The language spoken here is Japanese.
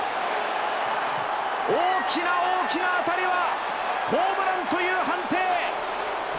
大きな大きな当たりはホームランという判定！